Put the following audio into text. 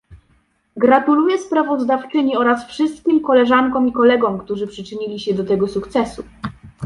Gratuluję sprawozdawczyni oraz wszystkim koleżankom i kolegom, którzy przyczynili się do tego sukcesu